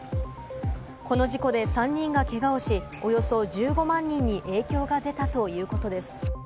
この事故で３人がけがをし、およそ１５万人に影響が出たということです。